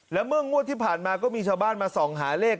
แล้วเมื่องวดที่ผ่านมาก็มีชาวบ้านมาส่องหาเลข